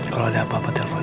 kalau ada apa apa telpon